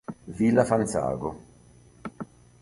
Villa Fanzago